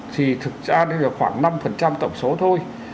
thì thực ra đây là khoảng năm tổng số thôi